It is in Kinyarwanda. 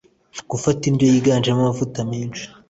Gufata indyo yiganjemo amavuta menshi